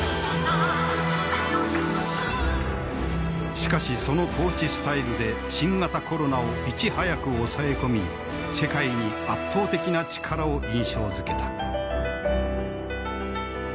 しかしその統治スタイルで新型コロナをいち早く抑え込み世界に圧倒的な力を印象づけた。